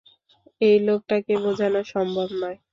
এই লোকটাকে বোঝানো সম্ভব নয়।